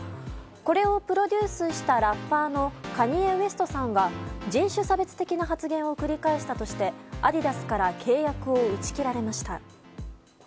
これをプロデュースしたラッパーのカニエ・ウェストさんは人種差別的な発言を繰り返したとしてアディダスから契約を打ち切られました。